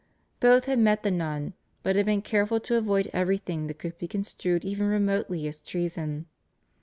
Both had met the nun, but had been careful to avoid everything that could be construed even remotely as treason.